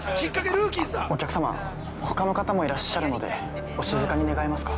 ◆お客様、ほかの方もいらっしゃるので、お静かに願えますか。